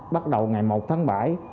bắt đầu ngày một tháng bảy